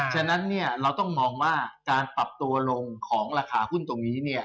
ฉะนั้นเราต้องมองว่าการปรับตัวลงของราคาหุ้นตรงนี้